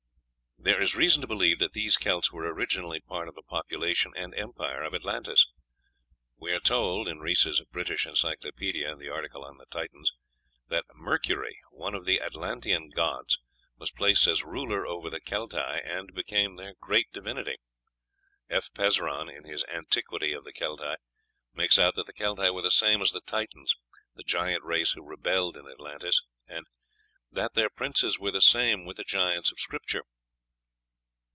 There is reason to believe that these Kelts were originally part of the population and Empire of Atlantis. We are told (Rees's "British Encyclopædia," art. Titans) that "Mercury, one of the Atlantean gods, was placed as ruler over the Celtæ, and became their great divinity." F. Pezron, in his "Antiquity of the Celtæ," makes out that the Celtæ were the same as the Titans, the giant race who rebelled in Atlantis, and "that their princes were the same with the giants of Scripture."